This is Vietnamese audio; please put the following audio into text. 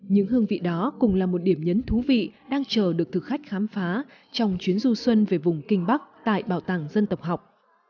những hương vị đó cùng là một điểm nhấn thú vị đang chờ được thực khách khám phá trong chuyến du xuân về vùng kinh bắc tại bảo tàng dân tộc học